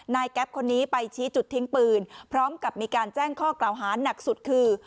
แก๊ปคนนี้ไปชี้จุดทิ้งปืนพร้อมกับมีการแจ้งข้อกล่าวหานักสุดคือ